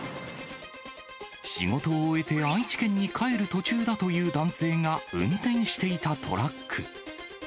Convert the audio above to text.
仕事を終えて愛知県に帰る途中だという男性が、運転していたトラック。